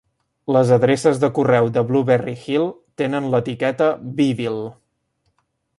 Les adreces de correu de Blueberry Hill tenen l'etiqueta "Beeville".